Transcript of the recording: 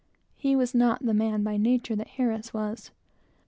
He was by no means the man by nature that Harris was.